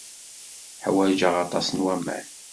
Ḥwajent aṭas n waman.